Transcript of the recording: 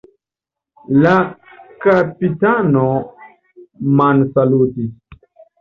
La kapitano mansalutis.